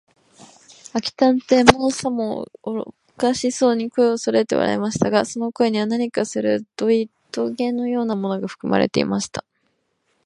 明智探偵も、さもおかしそうに、声をそろえて笑いましたが、その声には、何かするどいとげのようなものがふくまれていました。